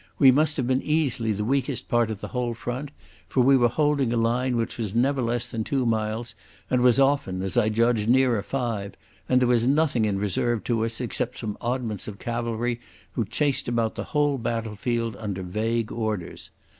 We must have been easily the weakest part of the whole front, for we were holding a line which was never less than two miles and was often, as I judged, nearer five, and there was nothing in reserve to us except some oddments of cavalry who chased about the whole battle field under vague orders.